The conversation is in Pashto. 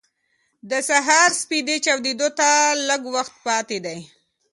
د سهار سپېدې چاودېدو ته لږ وخت پاتې دی.